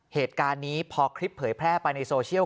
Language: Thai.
เหตุการณ์นี้พอคลิปเผยแพร่ไปในโซเชียล